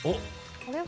これは。